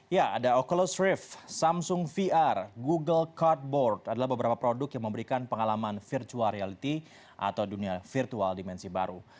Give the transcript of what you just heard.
ya ada oculus rift samsung vr google cardboard adalah beberapa produk yang memberikan pengalaman virtual reality atau dunia virtual dimensi baru